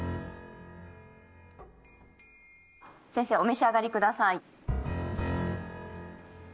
先生お召し上がりください。